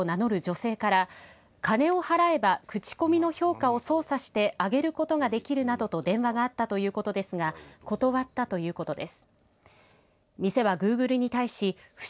さらに、不審な投稿の前にグーグルサポートを名乗る女性から金を払えばクチコミの評価を操作して上げることができるなどと電話があったということですが断ったということです。